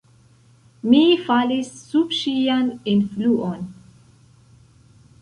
Mi falis sub ŝian influon.